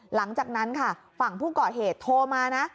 หลังจากนั้นค่ะฝั่งผู้ก่อเหตุโทรมานะ